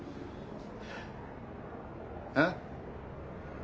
えっ？